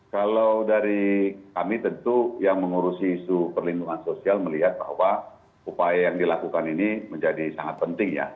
kalau dari kami tentu yang mengurusi isu perlindungan sosial melihat bahwa upaya yang dilakukan ini menjadi sangat penting ya